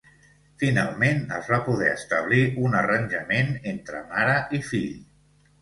Finalment es va poder establir un arranjament entre mare i fill.